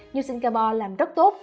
như singapore làm rất tốt